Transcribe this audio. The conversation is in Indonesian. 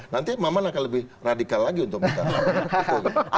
nanti maman akan lebih radikal lagi untuk minta